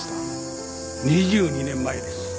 ２２年前です。